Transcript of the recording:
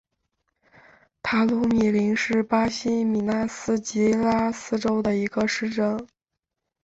塔鲁米林是巴西米纳斯吉拉斯州的一个市镇。